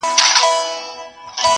ورځه ورځه تر دکن تېر سې!